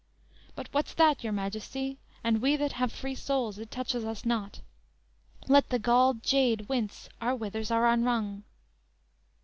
"_ _"But what's that, your Majesty; And we that have free souls, it touches us not; Let the galled jade wince, our withers are unwrung!"